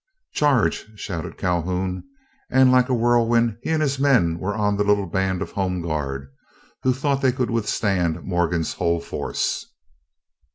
"Charge!" shouted Calhoun, and like a whirlwind he and his men were on the little band of home guards, who thought they could withstand Morgan's whole force.